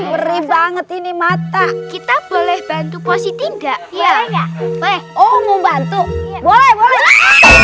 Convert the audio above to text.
seri banget ini mata kita boleh bantu positi ndak ya oh mau bantu boleh boleh